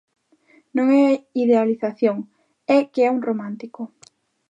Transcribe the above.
Non é idealización: é que é un romántico.